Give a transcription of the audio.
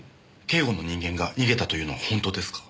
警護の人間が逃げたというのは本当ですか？